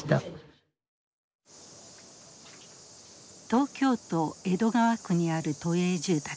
東京都江戸川区にある都営住宅。